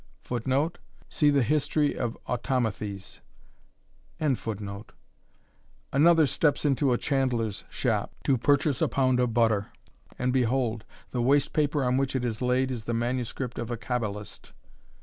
[Footnote: See the History of Automathes.] Another steps into a chandler's shop, to purchase a pound of butter, and, behold! the waste paper on which it is laid is the manuscript of a cabalist.